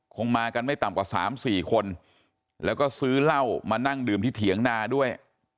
คงมากันไม่ต่ำกว่า๓๔คนแล้วก็ซื้อเหล้ามานั่งดื่มที่เถียงนาด้วย